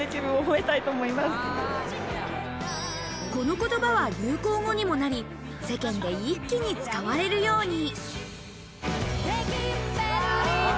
この言葉は流行語にもなり、世間で一気に使われるように。